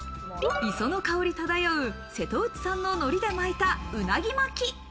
磯の香り漂う、瀬戸内産の海苔で巻いたうなぎ巻き。